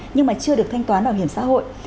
nhưng mà chưa được thanh toán bảo hiểm xã hội